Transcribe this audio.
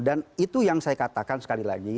itu yang saya katakan sekali lagi